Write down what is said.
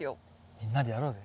みんなでやろうぜ。